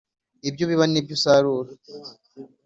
Ibyo ubiba nibyo uzasarura